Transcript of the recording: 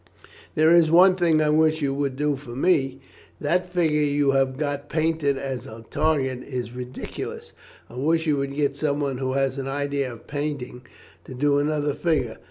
"There is one thing I wish you would do for me that figure you have got painted as a target is ridiculous. I wish you would get some one who has an idea of painting to do another figure.